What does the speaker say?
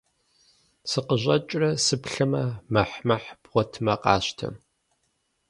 Сыкъыщӏэкӏрэ сыплъэмэ, мэхь-мэхь, бгъуэтмэ къащтэ.